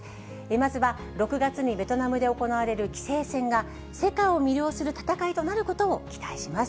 まずは６月にベトナムで行われる棋聖戦が、世界を魅了する戦いとなることを期待します。